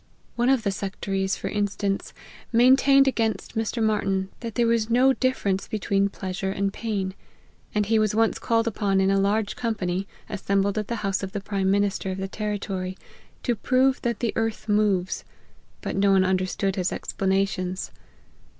One of the sectaries, for instance, maintained against Mr. Martyn, that there was no difference between pleasure and pain ; and he was once called upon in a large company, assembled at the house of the prime minister of the territory, to prove that the earth moves : but no one understood his expla nations.